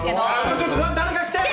ちょっと誰か来て！